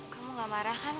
kamu gak marah kan